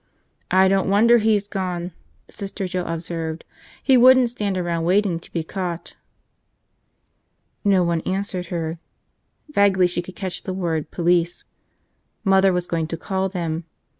"I don't wonder he's gone," Sister Joe observed. "He wouldn't stand around waiting to be caught." No one answered her. Vaguely she could catch the word police. Mother was going to call them.